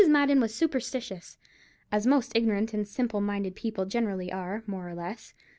Madden was superstitious, as most ignorant and simple minded people generally are, more or less.